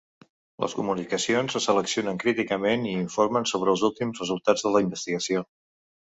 Les comunicacions se seleccionen críticament i informen sobre els últims resultats de la investigació.